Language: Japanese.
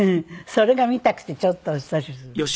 それが見たくてちょっと押したりするの。